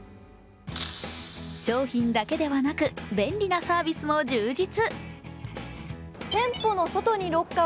商品だけではなく便利なサービスも充実。